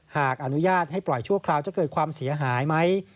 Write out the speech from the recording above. หากอนุญาตให้ปล่อยชั่วคราวจะเกิดความเสียหายไหม